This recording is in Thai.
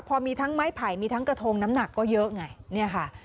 พอมีทั้งไม้ไผ่มีทั้งกระทงน้ำหนักก็เยอะไงเนี่ยค่ะ